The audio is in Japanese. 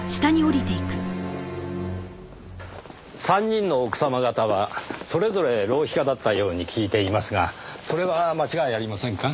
３人の奥様方はそれぞれ浪費家だったように聞いていますがそれは間違いありませんか？